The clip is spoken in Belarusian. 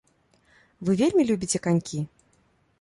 Вы вельмі любіце канькі?